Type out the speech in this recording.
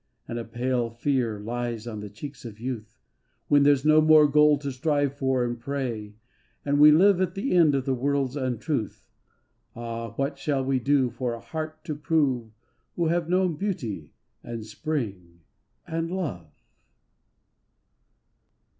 And a pale fear lies on the cheeks of youth, When there's no more goal to strive for and pray, igo WHEN LOVE AND BEAUTY WANDER 191 And we live at the end of the world's untruth : Ah ! what shall we do for a heart to prove, Who have known Beauty, and Spring, and Love?